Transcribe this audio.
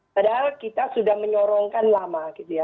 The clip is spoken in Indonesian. padahal kita sudah menyorongkan lama gitu ya